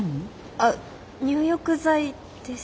あっ入浴剤です。